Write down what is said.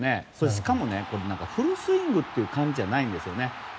しかもね、フルスイングって感じじゃないんですよね。